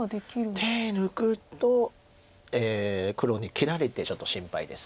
手抜くと黒に切られてちょっと心配です。